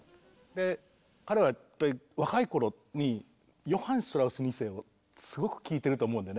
で彼はやっぱり若い頃にヨハン・シュトラウス２世をすごく聴いてると思うんだよね。